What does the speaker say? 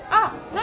何？